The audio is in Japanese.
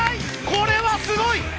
これはすごい！